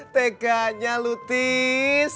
teganya kamu tis